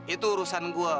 itu urusan gue